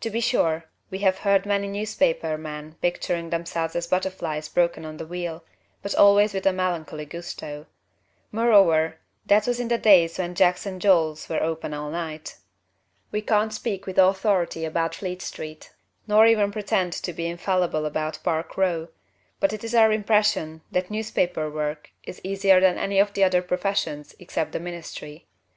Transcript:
To be sure, we have heard many newspaper men picturing themselves as butterflies broken on the wheel, but always with a melancholy gusto. Moreover, that was in the days when Jack's and Joel's were open all night. We can't speak with authority about Fleet Street, nor even pretend to be infallible about Park Row, but it is our impression that newspaper work is easier than any of the other professions except the ministry.